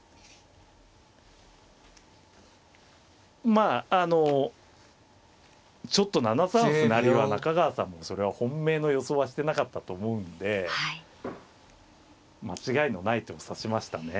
まああのちょっと７三歩成は中川さんもそれは本命の予想はしてなかったと思うんで間違いのない手を指しましたね。